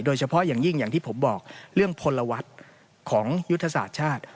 โดยเฉพาะอย่างยิ่งอย่างที่ผมบอกเรื่องพลวัตรของยุทธศาสตร์ชาติ